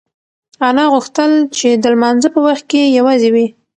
انا غوښتل چې د لمانځه په وخت کې یوازې وي.